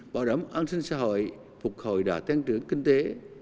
bảo đảm an sinh xã hội phục hồi đạt tăng trưởng kinh tế